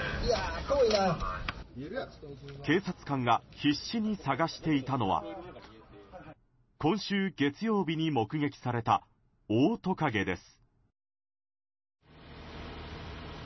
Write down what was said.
警察官が必死に探していたのは今週月曜日に目撃されたオオトカゲです。